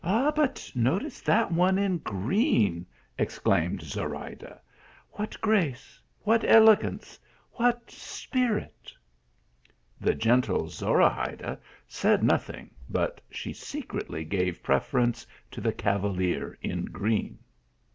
" But notice that one in green," exclaimed Zo rayda ;" what grace 1 what elegance ! what spirit I " The gentle Zorahayda said nothing, but she se cretly gave preference to the cavalier in green.